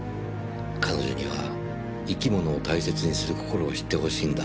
彼女には生き物を大切にする心を知ってほしいんだ。